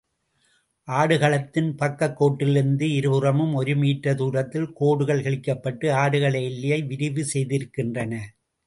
ஆடு களத்தின் பக்கக்கோட்டிலிருந்து இருபுறமும் ஒரு மீட்டர் தூரத்தில் கோடுகள் கிழிக்கப்பட்டு, ஆடுகள எல்லையை விரிவு செய்திருக்கின்றன.